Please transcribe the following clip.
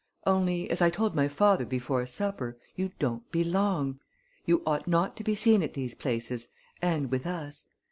Only, as I told my father before supper, you don't belong! You ought not to be seen at these places, and with us.